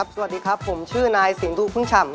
สวัสดีครับชื่อนายสิงสุพื้นฉ่ำ